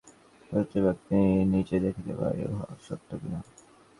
প্রত্যেক ব্যক্তিই নিজে দেখিতে পারে, উহা সত্য কিনা।